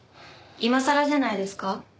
今さらじゃないですか？